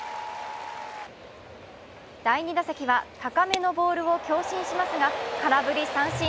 第２打席は高めのボールを強振しますが、空振り三振。